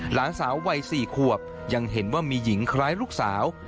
หลานสาววัย๔ขวบยังเห็นว่ามีหญิงคล้ายลูกสาว